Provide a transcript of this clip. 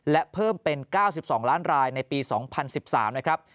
และเพิ่มเป็น๙๒ล้านรายในปี๒๐๑๓นะครับ